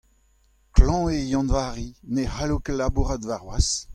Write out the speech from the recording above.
klañv eo Yann-Vari, ne c'hallo ket labourat warc'hoazh.